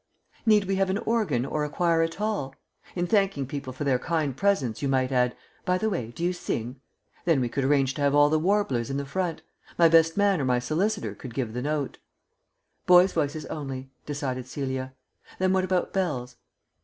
"Need we have an organ or a choir at all? In thanking people for their kind presents you might add, 'By the way, do you sing?' Then we could arrange to have all the warblers in the front. My best man or my solicitor could give the note." "Boys' voices only," decided Celia. "Then what about bells?"